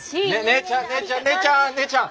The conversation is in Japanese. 姉ちゃん姉ちゃん姉ちゃん姉ちゃん！